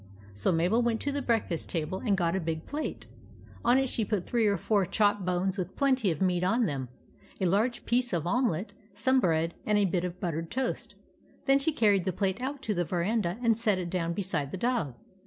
So Mabel went to the breakfast table and got a big plate. On it she put three or four chop bones with plenty of meat on them, a large piece of omelet, some bread, and a bit of buttered toast. Then she carried the plate out to the verandah and set it down beside the dog.